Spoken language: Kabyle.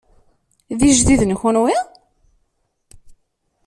D ijdiden kunwi?